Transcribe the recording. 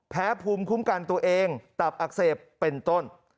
แพ้ภูมิคุ้มกันตัวเองตับอักเสบเป็นต้น